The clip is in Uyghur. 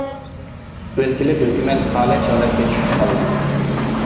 ئۆلكىلىك ھۆكۈمەت پالەچ ھالەتكە چۈشۈپ قالدى.